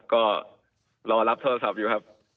ก็รอรับโทรศัพท์อยู่ครับ